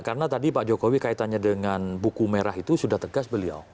karena tadi pak jokowi kaitannya dengan buku merah itu sudah tegas beliau